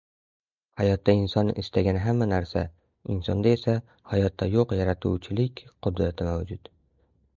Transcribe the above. Hayotda inson istagan hamma narsa bor, insonda esa hayotda yo‘q yaratuvchilik qudrati mavjud.